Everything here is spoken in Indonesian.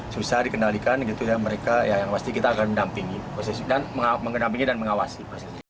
susah dikendalikan mereka yang pasti kita akan mendampingi dan mengawasi